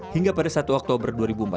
hingga pada satu oktober dua ribu empat belas